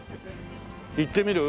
行ってみる？